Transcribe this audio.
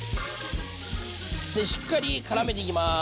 でしっかりからめていきます。